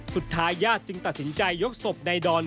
สุดท้ายญาติจึงตัดสินใจยกศพนายดอน